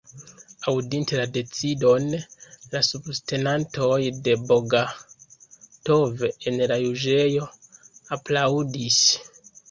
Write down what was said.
Aŭdinte la decidon, la subtenantoj de Bogatov en la juĝejo aplaŭdis.